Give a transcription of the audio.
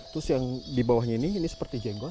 terus yang di bawahnya ini ini seperti jenggol